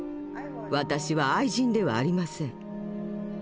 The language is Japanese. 私は愛人ではありません。